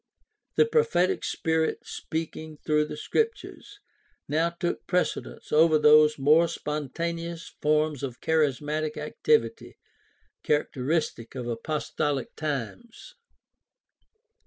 The prophetic Spirit speak ing through the Scriptures now took precedence over those more spontaneous forms of charismatic activity characteristic of apostolic times.